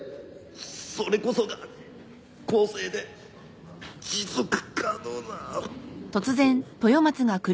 それこそが公正で持続可能な方法。